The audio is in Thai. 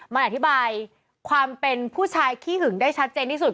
มันอธิบายความเป็นผู้ชายขี้หึงได้ชัดเจนที่สุด